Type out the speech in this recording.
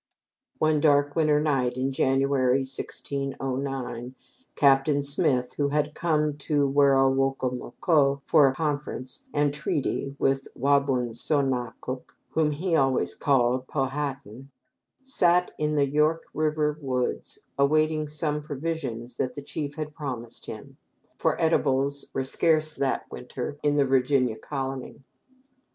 One dark winter night in January, 1609, Captain Smith, who had came to Wero woco moco for conference and treaty with Wa bun so na cook (whom he always called Pow ha tan), sat in the York River woods awaiting some provisions that the chief had promised him, for eatables were scarce that winter in the Virginia colony.